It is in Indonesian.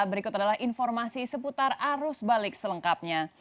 berikut adalah informasi seputar arus balik selengkapnya